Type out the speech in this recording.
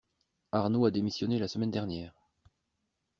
Arnaud a démissionné la semaine dernière.